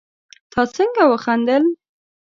تا څنګه وخندل